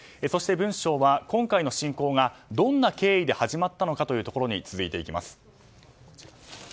そして、文章は今回の進行がどんな経緯で始まったのかというところに続いていきます。